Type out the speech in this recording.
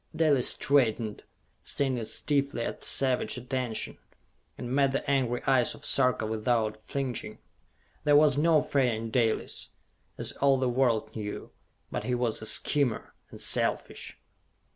Dalis straightened, standing stiffly at savage attention, and met the angry eyes of Sarka without flinching. There was no fear in Dalis, as all the world knew. But he was a schemer, and selfish.